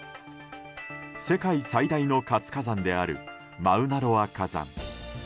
世界最大の活火山であるマウナロア火山。